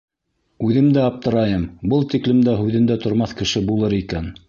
— Үҙем дә аптырайым, был тиклем дә һүҙендә тормаҫ кеше булыр икән.